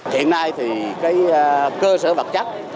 hiện nay thì cơ sở vật chất